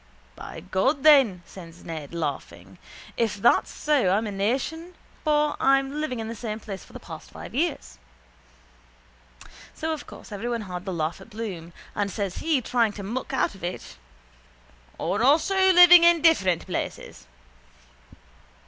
—By God, then, says Ned, laughing, if that's so I'm a nation for I'm living in the same place for the past five years. So of course everyone had the laugh at Bloom and says he, trying to muck out of it: —Or also living in different places.